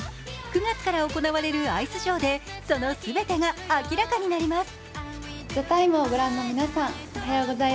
９月から行われるアイスショーでそのすべてが明らかになります。